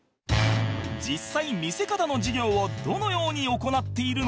実際見せ方の授業をどのように行っているのか？